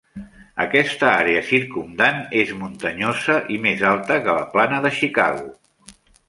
Aquesta àrea circumdant és muntanyosa i més alta que la plana de Chicago.